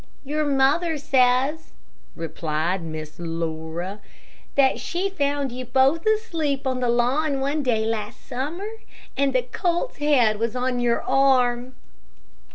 "Your mother says," replied Miss Laura. "that she found you both asleep on the lawn one day last summer, and the colt's head was on your arm."